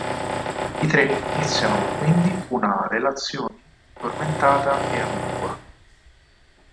I tre iniziano quindi una relazioni tormentata e ambigua.